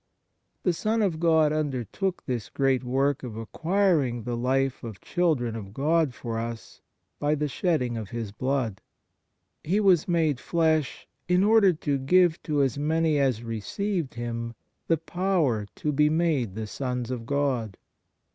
The Son of Gocl undertook this great work of acquiring the life of children of God for us by the shedding of His blood. He was made flesh in order to " give to as many as received Him the power to be made the sons of God."